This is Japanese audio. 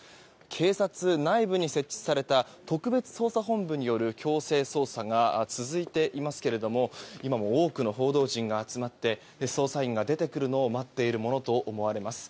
警察内部に設置された特別捜査本部による強制捜査が続いていますけど今も多くの報道陣が集まって捜査員が出てくるのを待っているものと思われます。